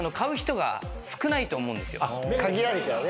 限られちゃうね。